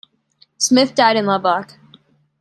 Smith died in Lubbock.